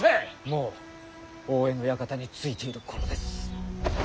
もう大江の館に着いている頃です。